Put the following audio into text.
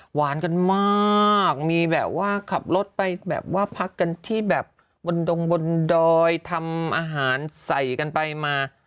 หวานกันมากมีแบบว่าขับรถไปแบบว่าพักกันที่แบบบนดงบนดอยทำอาหารใส่กันไปมา